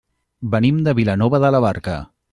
Venim de Vilanova de la Barca.